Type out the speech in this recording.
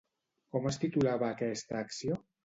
Com es titulava aquesta acció?